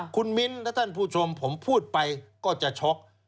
คุณมิ้นและท่านผู้ชมผมพูดไปก็จะช็อก